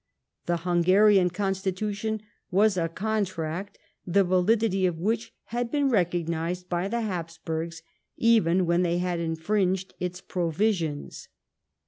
The Hungarian Constitution was a contract the validity of which had been recognised by the Habsburgs even when they had infringed its pro visions.